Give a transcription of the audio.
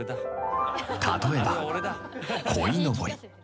例えばこいのぼり